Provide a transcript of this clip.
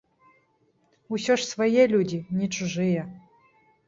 Усё ж свае людзі, не чужыя.